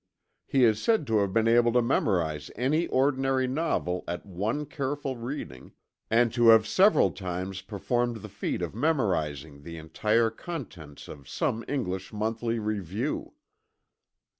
He is said to have been able to memorize any ordinary novel at one careful reading; and to have several times performed the feat of memorizing the entire contents of some English monthly review.